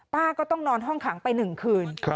ป้าก็ต้องนอนห้องขังไป๑คืน